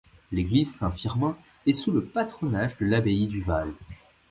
L'église Saint-Firmin est sous le patronage de l'abbaye du Val.